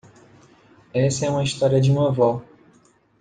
Essa é uma história de uma avó.